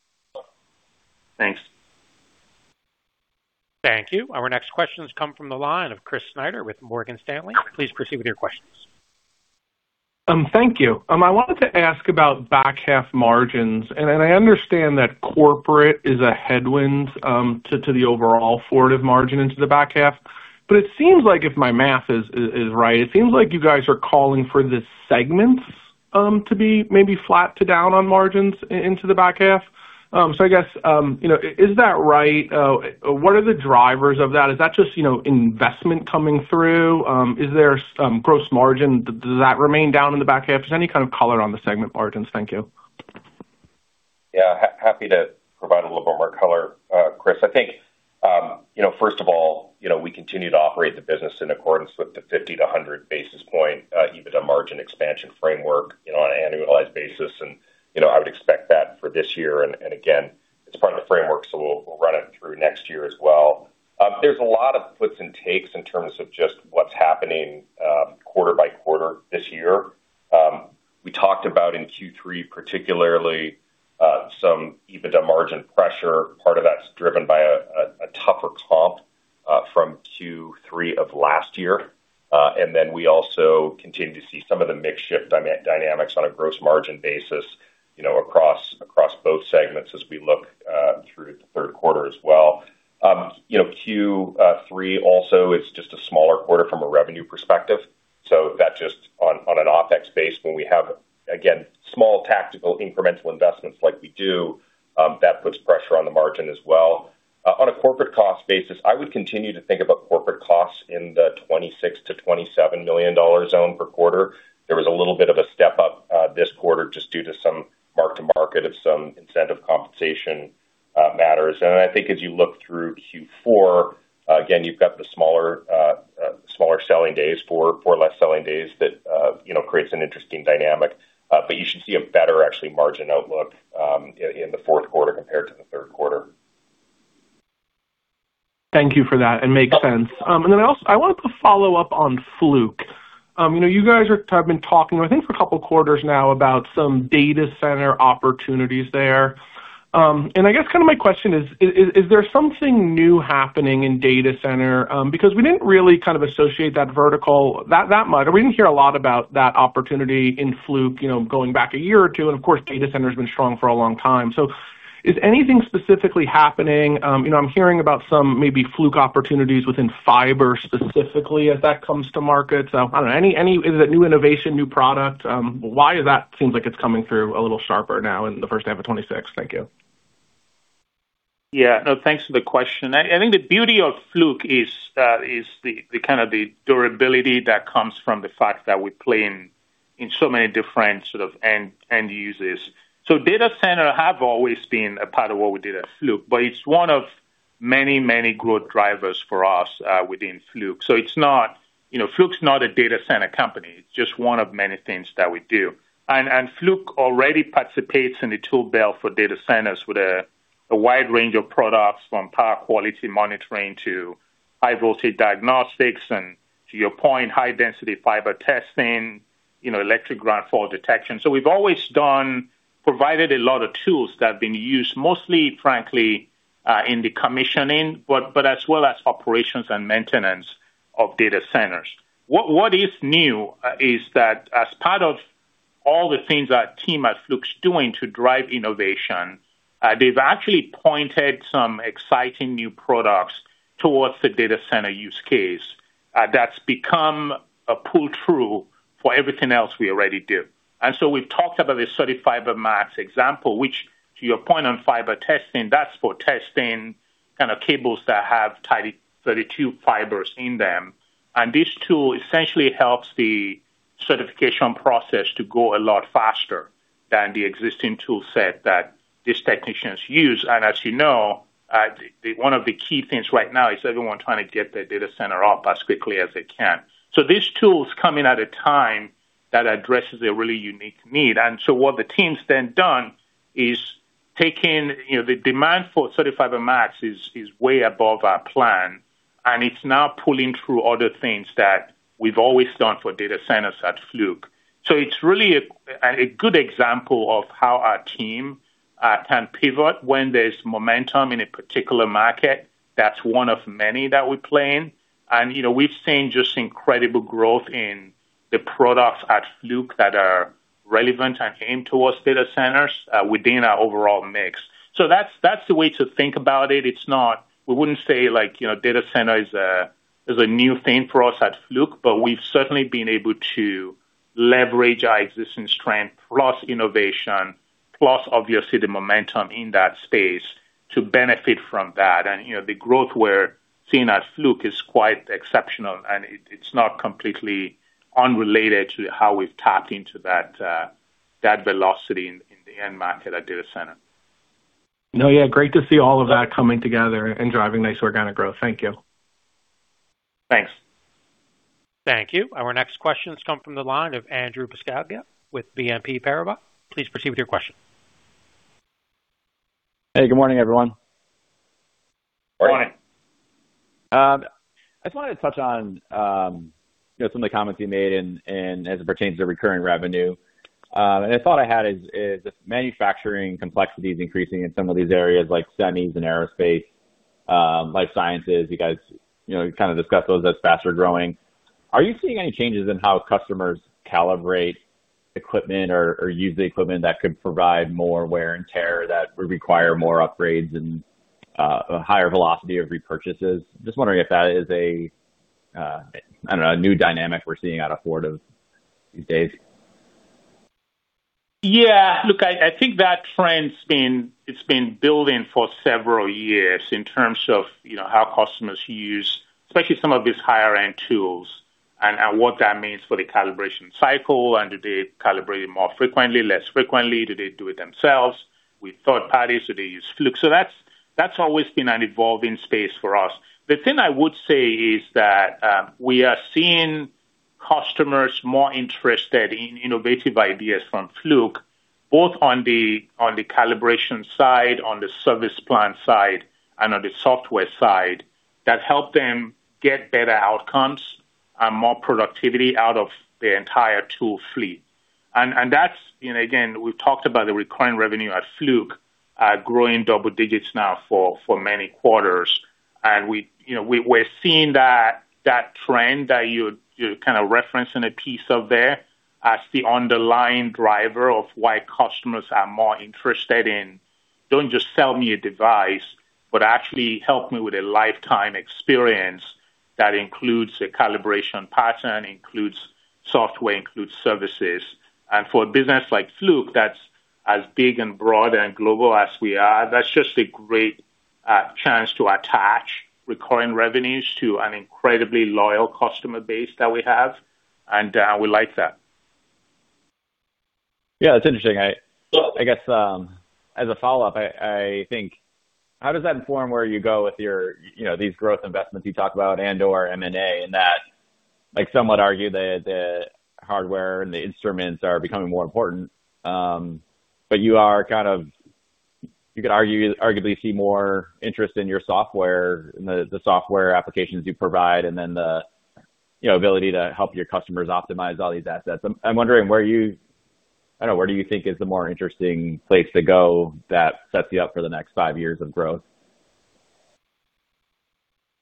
Thanks. Thank you. Our next questions come from the line of Chris Snyder with Morgan Stanley. Please proceed with your questions. Thank you. I wanted to ask about back half margins. I understand that corporate is a headwind to the overall Fortive margin into the back half. It seems like if my math is right, it seems like you guys are calling for the segments to be maybe flat to down on margins into the back half. I guess, is that right? What are the drivers of that? Is that just investment coming through? Is there gross margin? Does that remain down in the back half? Just any kind of color on the segment margins. Thank you. Yeah. Happy to provide a little bit more color, Chris. I think, first of all, we continue to operate the business in accordance with the 50-100 basis point EBITDA margin expansion framework on an annualized basis. I would expect that for this year. Again, it's part of the framework, so we'll run it through next year as well. There's a lot of puts and takes in terms of just what's happening quarter by quarter this year. We talked about in Q3, particularly some EBITDA margin pressure. Part of that's driven by a tougher comp from Q3 of last year. We also continue to see some of the mix shift dynamics on a gross margin basis across both segments as we look through the third quarter as well. Q3 also is just a smaller quarter from a revenue perspective. That just on an OpEx base, when we have, again, small tactical incremental investments like we do, that puts pressure on the margin as well. On a corporate cost basis, I would continue to think about corporate costs in the $26 million-$27 million zone per quarter. There was a little bit of a step-up this quarter just due to some mark-to-market of some incentive compensation matters. I think as you look through Q4, again, you've got the smaller selling days, four less selling days that creates an interesting dynamic. You should see a better actually margin outlook in the fourth quarter compared to the third quarter. Thank you for that. It makes sense. I wanted to follow up on Fluke. You guys have been talking, I think for a couple of quarters now about some data center opportunities there. I guess kind of my question is there something new happening in data center? Because we didn't really kind of associate that vertical that much, or we didn't hear a lot about that opportunity in Fluke going back a year or two. Of course, data center has been strong for a long time. Is anything specifically happening? I'm hearing about some maybe Fluke opportunities within fiber specifically as that comes to market. I don't know. Is it new innovation, new product? Why is that seems like it's coming through a little sharper now in the first half of 2026? Thank you. Yeah. No, thanks for the question. I think the beauty of Fluke is the kind of the durability that comes from the fact that we play in so many different sort of end users. Data center have always been a part of what we did at Fluke, but it's one of many, many growth drivers for us within Fluke. Fluke's not a data center company, it's just one of many things that we do. Fluke already participates in the tool belt for data centers with a wide range of products from power quality monitoring to high voltage diagnostics, and to your point, high density fiber testing, electric ground fault detection. We've always provided a lot of tools that have been used mostly, frankly, in the commissioning, but as well as operations and maintenance of data centers. What is new is that as part of all the things our team at Fluke is doing to drive innovation, they've actually pointed some exciting new products towards the data center use case, that's become a pull-through for everything else we already do. We've talked about the CertiFiber Max example, which to your point on fiber testing, that's for testing kind of cables that have 32 fibers in them. This tool essentially helps the certification process to go a lot faster than the existing tool set that these technicians use. As you know, one of the key things right now is everyone trying to get their data center up as quickly as they can. These tools come in at a time that addresses a really unique need. What the team's then done is taken the demand for CertiFiber Max is way above our plan, and it's now pulling through other things that we've always done for data centers at Fluke. It's really a good example of how our team can pivot when there's momentum in a particular market. That's one of many that we play in. We've seen just incredible growth in the products at Fluke that are relevant and aimed towards data centers, within our overall mix. That's the way to think about it. We wouldn't say data center is a new thing for us at Fluke, but we've certainly been able to leverage our existing strength, plus innovation, plus obviously the momentum in that space to benefit from that. The growth we're seeing at Fluke is quite exceptional, and it's not completely unrelated to how we've tapped into that velocity in the end market at data center. No, yeah. Great to see all of that coming together and driving nice organic growth. Thank you. Thanks. Thank you. Our next questions come from the line of Andrew Buscaglia with BNP Paribas. Please proceed with your question. Hey, good morning, everyone. Morning. I just wanted to touch on some of the comments you made in as it pertains to recurring revenue. The thought I had is, if manufacturing complexity is increasing in some of these areas like semis and aerospace, life sciences, you guys kind of discussed those as faster growing. Are you seeing any changes in how customers calibrate equipment or use the equipment that could provide more wear and tear that would require more upgrades and a higher velocity of repurchases? Just wondering if that is a, I don't know, new dynamic we're seeing out of Fortive these days. Yeah. Look, I think that trend it's been building for several years in terms of how customers use, especially some of these higher end tools and what that means for the calibration cycle. Do they calibrate it more frequently, less frequently? Do they do it themselves, with third parties? Do they use Fluke? That's always been an evolving space for us. The thing I would say is that, we are seeing customers more interested in innovative ideas from Fluke, both on the calibration side, on the service plan side, and on the software side, that help them get better outcomes and more productivity out of their entire tool fleet. Again, we've talked about the recurring revenue at Fluke, growing double digits now for many quarters. We're seeing that trend that you kind of referenced in a piece of there as the underlying driver of why customers are more interested in, "Don't just sell me a device, but actually help me with a lifetime experience that includes a calibration pattern, includes software, includes services." For a business like Fluke that's as big and broad and global as we are, that's just a great chance to attach recurring revenues to an incredibly loyal customer base that we have. We like that. Yeah, that's interesting. I guess, as a follow-up, I think how does that inform where you go with these growth investments you talk about and/or M&A in that, like somewhat argue that the hardware and the instruments are becoming more important. You could arguably see more interest in your software, in the software applications you provide, and then the ability to help your customers optimize all these assets. I'm wondering where do you think is the more interesting place to go that sets you up for the next five years of growth?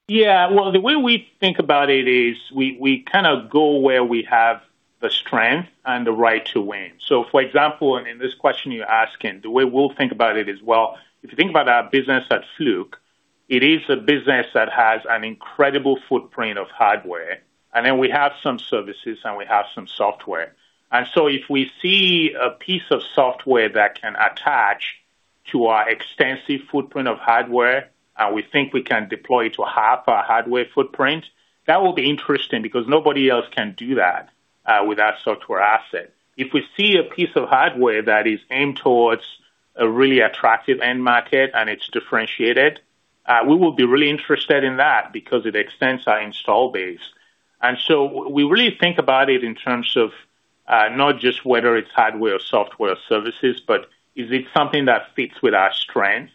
Yeah. Well, the way we think about it is we kind of go where we have the strength and the right to win. For example, in this question you're asking, the way we'll think about it is, well, if you think about our business at Fluke, it is a business that has an incredible footprint of hardware, and then we have some services, and we have some software. If we see a piece of software that can attach to our extensive footprint of hardware, and we think we can deploy it to half our hardware footprint, that will be interesting because nobody else can do that with our software asset. If we see a piece of hardware that is aimed towards a really attractive end market and it's differentiated, we will be really interested in that because it extends our install base. We really think about it in terms of not just whether it's hardware, software, services, but is it something that fits with our strengths?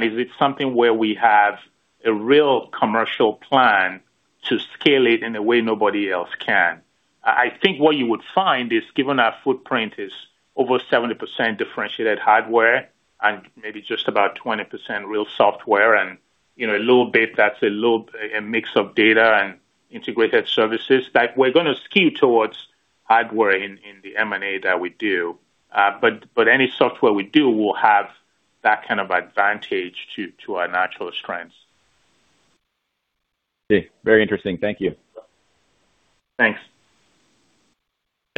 Is it something where we have a real commercial plan to scale it in a way nobody else can? I think what you would find is, given our footprint is over 70% differentiated hardware and maybe just about 20% real software and a little bit that's a mix of data and integrated services, that we're going to skew towards hardware in the M&A that we do. Any software we do will have that kind of advantage to our natural strengths. Very interesting. Thank you. Thanks.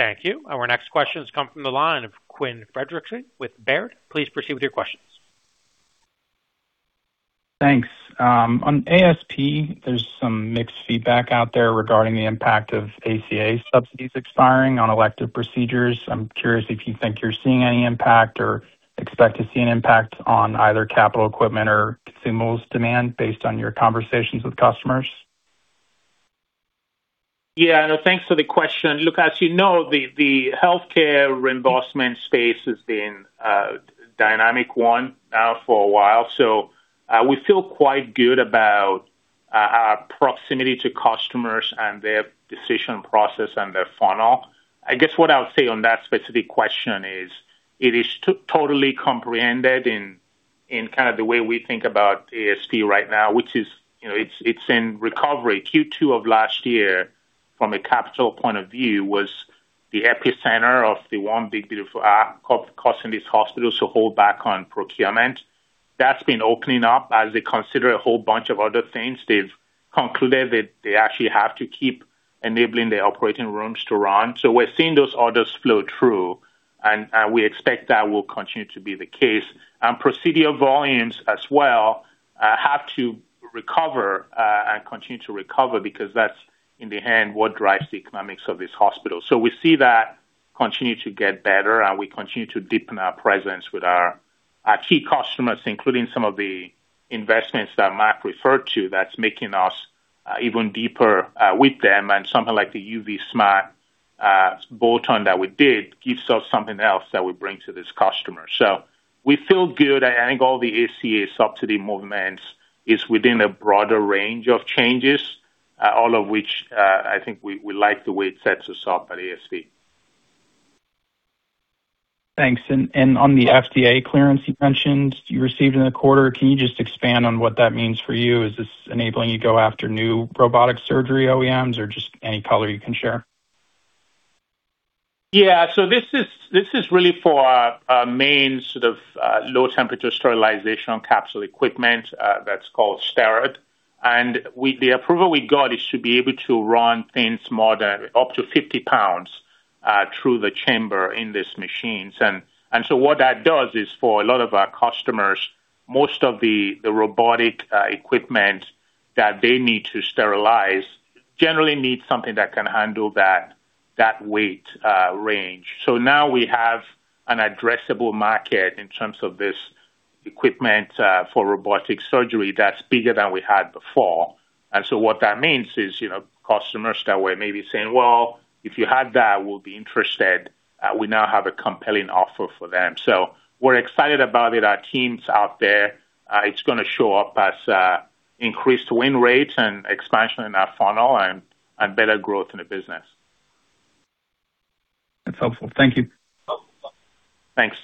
Thank you. Our next question comes from the line of Quinn Fredrickson with Baird. Please proceed with your questions. Thanks. On ASP, there's some mixed feedback out there regarding the impact of ACA subsidies expiring on elective procedures. I'm curious if you think you're seeing any impact or expect to see an impact on either capital equipment or consumables demand based on your conversations with customers. Thanks for the question. As you know, the healthcare reimbursement space has been a dynamic one now for a while. We feel quite good about our proximity to customers and their decision process and their funnel. I guess what I'll say on that specific question is it is totally comprehended in kind of the way we think about ASP right now, which is it's in recovery. Q2 of last year, from a capital point of view, was the epicenter of the One Big Beautiful App Act causing these hospitals to hold back on procurement. That's been opening up as they consider a whole bunch of other things. They've concluded that they actually have to keep enabling the operating rooms to run. We're seeing those orders flow through, and we expect that will continue to be the case. Procedural volumes as well, have to recover, and continue to recover because that's in the end what drives the economics of this hospital. We see that continue to get better, and we continue to deepen our presence with our key customers, including some of the investments that Mark referred to that's making us even deeper with them. Something like the UV Smart bolt-on that we did gives us something else that we bring to this customer. We feel good. I think all the ACA subsidy movements is within a broader range of changes, all of which, I think we like the way it sets us up at ASP. Thanks. On the FDA clearance you mentioned you received in the quarter, can you just expand on what that means for you? Is this enabling you to go after new robotic surgery OEMs or just any color you can share? Yeah. This is really for our main sort of low-temperature sterilization on capsule equipment, that's called STERRAD. The approval we got is to be able to run things more than up to 50 lbs through the chamber in these machines. What that does is for a lot of our customers, most of the robotic equipment that they need to sterilize generally needs something that can handle that weight range. Now we have an addressable market in terms of this equipment for robotic surgery that's bigger than we had before. What that means is customers that were maybe saying, "Well, if you had that, we'll be interested." We now have a compelling offer for them. We're excited about it. Our team's out there. It's going to show up as increased win rates and expansion in our funnel and better growth in the business. That's helpful. Thank you. Thanks.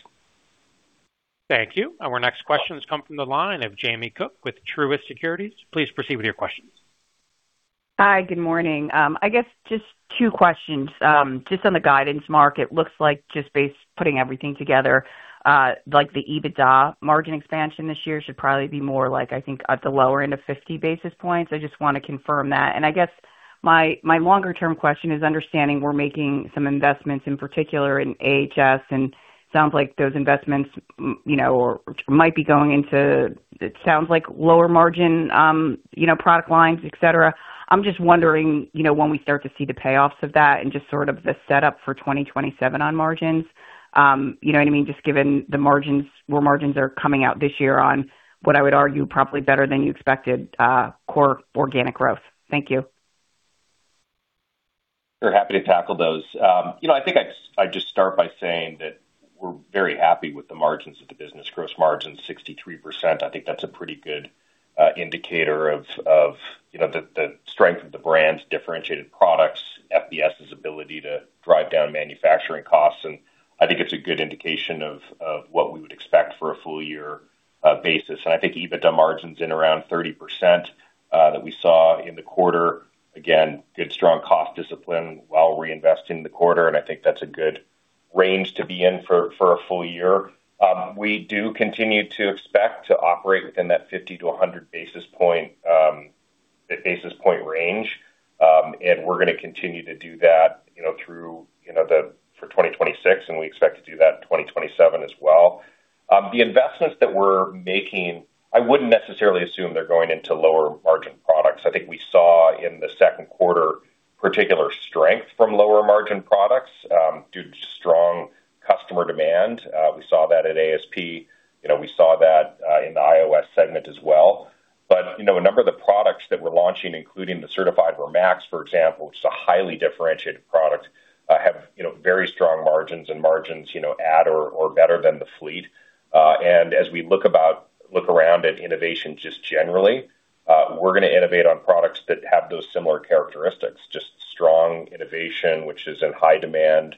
Thank you. Our next question has come from the line of Jamie Cook with Truist Securities. Please proceed with your questions. Hi. Good morning. I guess just two questions. Just on the guidance, Mark, it looks like just base putting everything together, like the EBITDA margin expansion this year should probably be more like, I think, at the lower end of 50 basis points. I just want to confirm that. I guess my longer-term question is understanding we're making some investments, in particular in AHS, and sounds like those investments might be going into, it sounds like lower margin product lines, et cetera. I'm just wondering when we start to see the payoffs of that and just sort of the setup for 2027 on margins. You know what I mean? Just given the margins, where margins are coming out this year on what I would argue probably better than you expected core organic growth. Thank you. Very happy to tackle those. I think I'd just start by saying that we're very happy with the margins of the business. Gross margin 63%. I think that's a pretty good indicator of the strength of the brands, differentiated products, FBS's ability to drive down manufacturing costs, and I think it's a good indication of what we would expect for a full year basis. I think EBITDA margins in around 30% that we saw in the quarter, again, good strong cost discipline while reinvesting the quarter, and I think that's a good range to be in for a full year. We do continue to expect to operate within that 50-100 basis point range. We're going to continue to do that for 2026, and we expect to do that in 2027 as well. The investments that we're making, I wouldn't necessarily assume they're going into lower margin products. I think we saw in the second quarter particular strength from lower margin products due to strong Customer demand. We saw that at ASP. We saw that in the IOS segment as well. A number of the products that we're launching, including the CertiFiber Max, for example, which is a highly differentiated product, have very strong margins and margins at or better than the fleet. As we look around at innovation just generally, we're going to innovate on products that have those similar characteristics, just strong innovation, which is in high demand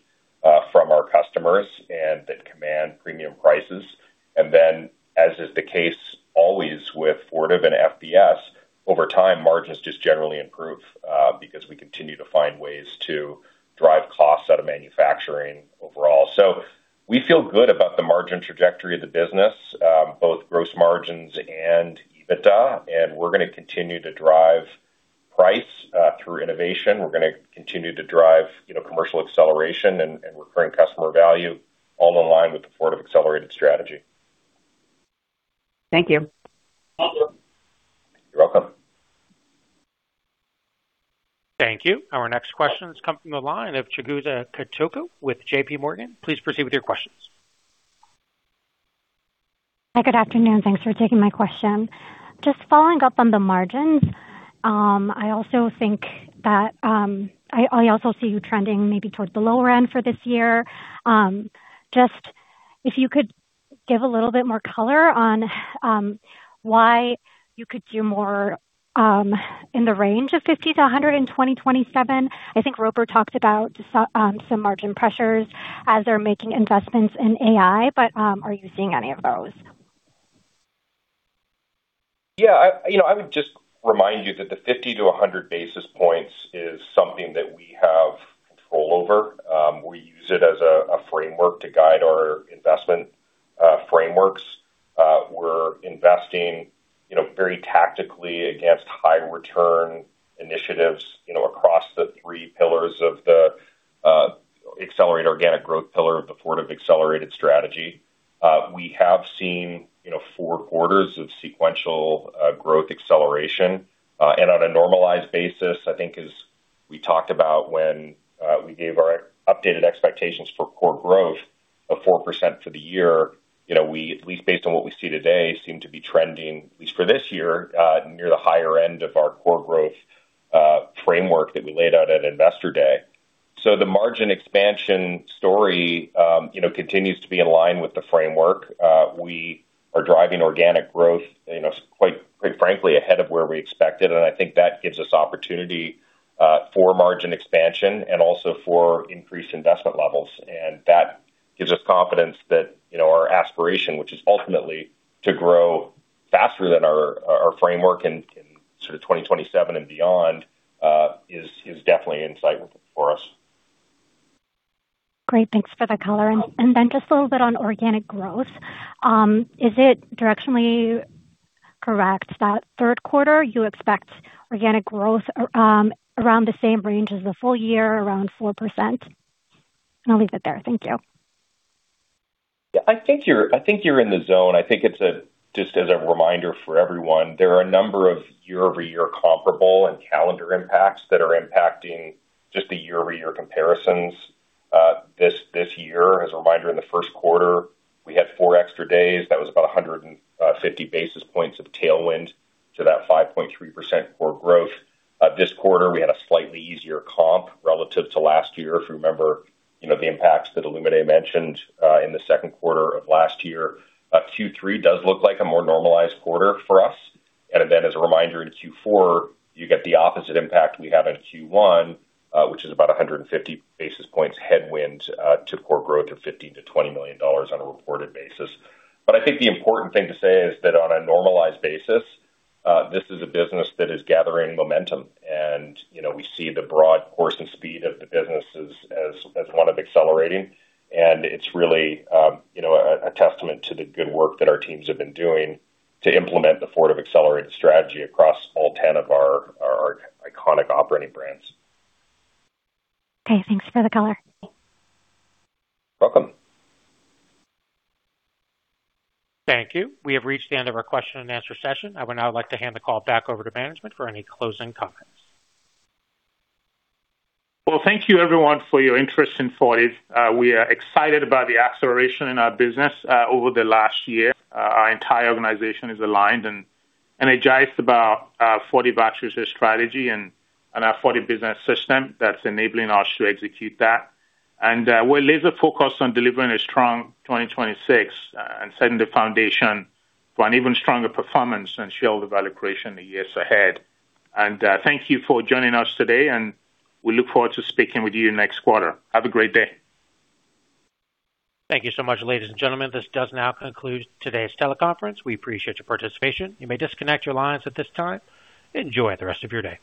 from our customers and that command premium prices. Then, as is the case always with Fortive and FBS, over time, margins just generally improve, because we continue to find ways to drive costs out of manufacturing overall. We feel good about the margin trajectory of the business, both gross margins and EBITDA. We're going to continue to drive price through innovation. We're going to continue to drive commercial acceleration and recurring customer value all in line with the Fortive Accelerated strategy. Thank you. You're welcome. Thank you. Our next question is coming from the line of Chigusa Katoku with JPMorgan. Please proceed with your questions. Hi, good afternoon. Thanks for taking my question. Just following up on the margins. I also see you trending maybe towards the lower end for this year. Just if you could give a little bit more color on why you could do more in the range of 50-100 in 2027. I think Roper talked about some margin pressures as they are making investments in AI. Are you seeing any of those? Yeah. I would just remind you that the 50-100 basis points is something that we have control over. We use it as a framework to guide our investment frameworks. We are investing very tactically against high return initiatives across the three pillars of the accelerated organic growth pillar of the Fortive Accelerated strategy. We have seen four quarters of sequential growth acceleration. On a normalized basis, I think as we talked about when we gave our updated expectations for core growth of 4% for the year, we, at least based on what we see today, seem to be trending, at least for this year, near the higher end of our core growth framework that we laid out at Investor Day. The margin expansion story continues to be in line with the framework. We are driving organic growth, quite frankly, ahead of where we expected, and I think that gives us opportunity for margin expansion and also for increased investment levels. That gives us confidence that our aspiration, which is ultimately to grow faster than our framework in sort of 2027 and beyond, is definitely in sight for us. Great. Thanks for the color. Then just a little bit on organic growth. Is it directionally correct that third quarter you expect organic growth around the same range as the full year, around 4%? I'll leave it there. Thank you. Yeah. I think you're in the zone. I think it's just as a reminder for everyone, there are a number of year-over-year comparable and calendar impacts that are impacting just the year-over-year comparisons this year. As a reminder, in the first quarter, we had four extra days. That was about 150 basis points of tailwind to that 5.3% core growth. This quarter, we had a slightly easier comp relative to last year. If you remember the impacts that Olumide mentioned in the second quarter of last year. Q3 does look like a more normalized quarter for us. As a reminder, in Q4, you get the opposite impact we had in Q1, which is about 150 basis points headwind to core growth of $15 million-$20 million on a reported basis. I think the important thing to say is that on a normalized basis, this is a business that is gathering momentum, and we see the broad course and speed of the business as one of accelerating. It's really a testament to the good work that our teams have been doing to implement the Fortive Accelerated strategy across all 10 of our iconic operating brands. Okay, thanks for the color. You're welcome. Thank you. We have reached the end of our question and answer session. I would now like to hand the call back over to management for any closing comments. Well, thank you, everyone, for your interest in Fortive. We are excited about the acceleration in our business over the last year. Our entire organization is aligned and energized about our Fortive strategy and our Fortive Business System that's enabling us to execute that. We're laser-focused on delivering a strong 2026 and setting the foundation for an even stronger performance and shareholder value creation in the years ahead. Thank you for joining us today, and we look forward to speaking with you next quarter. Have a great day. Thank you so much, ladies and gentlemen. This does now conclude today's teleconference. We appreciate your participation. You may disconnect your lines at this time. Enjoy the rest of your day.